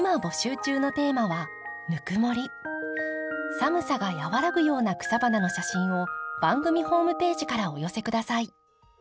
寒さが和らぐような草花の写真を番組ホームページからお寄せ下さい。